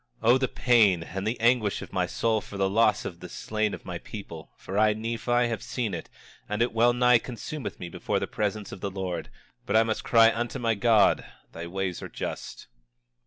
26:7 O the pain, and the anguish of my soul for the loss of the slain of my people! For I, Nephi, have seen it, and it well nigh consumeth me before the presence of the Lord; but I must cry unto my God: Thy ways are just.